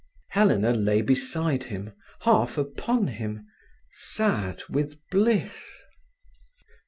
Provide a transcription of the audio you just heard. Helena lay beside him, half upon him, sad with bliss.